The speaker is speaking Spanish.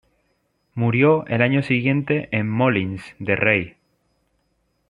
Murió al año siguiente en Molins de Rei.